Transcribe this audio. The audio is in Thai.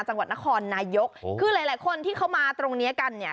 จังหวัดนครนายกคือหลายหลายคนที่เขามาตรงเนี้ยกันเนี่ย